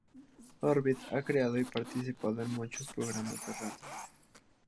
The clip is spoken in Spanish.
Orbit ha creado y participado en muchos programas de radio.